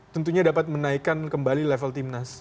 tentunya dapat menaikkan kembali level tim nasi